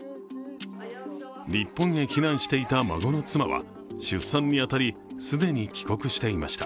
日本へ避難していた孫の妻は出産に当たり、既に帰国していました。